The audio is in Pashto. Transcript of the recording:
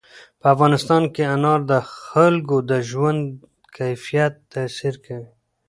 په افغانستان کې انار د خلکو د ژوند کیفیت تاثیر کوي.